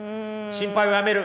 心配をやめる。